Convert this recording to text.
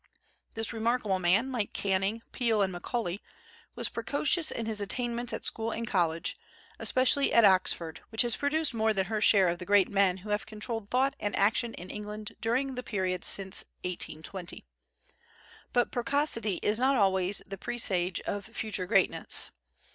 ] This remarkable man, like Canning, Peel, and Macaulay, was precocious in his attainments at school and college, especially at Oxford, which has produced more than her share of the great men who have controlled thought and action in England during the period since 1820. But precocity is not always the presage of future greatness.